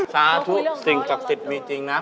ชาทุกสิ่งจับสิทธิ์มีจริงนะ